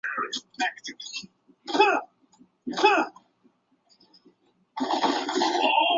鞍山西站位于中国辽宁省鞍山市千山区。